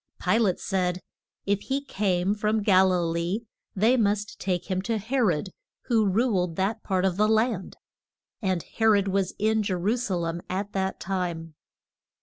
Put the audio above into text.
Pi late said, if he came from Gal i lee they must take him to He rod, who ruled that part of the land. And He rod was in Je ru sa lem at that time.